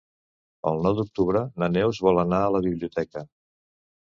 El nou d'octubre na Neus vol anar a la biblioteca.